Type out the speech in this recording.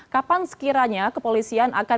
kapan sekiranya kepolisian akan